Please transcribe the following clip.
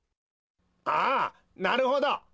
ああなるほど。